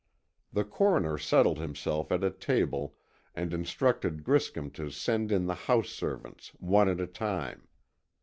The Coroner settled himself at a table, and instructed Griscom to send in the house servants one at a time.